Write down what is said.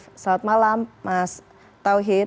selamat malam mas tauhid